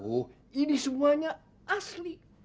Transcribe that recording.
oh ini semuanya asli